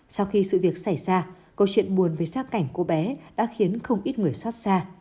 sau khi sự việc xảy ra câu chuyện buồn về sát cảnh cô bé đã khiến không ít người xót xa